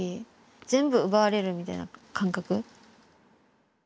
全部奪われるみたいな感覚。